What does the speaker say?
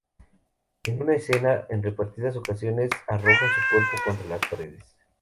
En una escena, en repetidas ocasiones arroja su cuerpo contra las paredes.